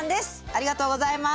ありがとうございます。